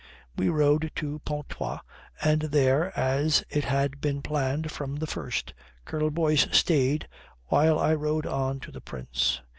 We rode to Pontoise, and there, as it had been planned from the first, Colonel Boyce stayed while I rode on to the Prince.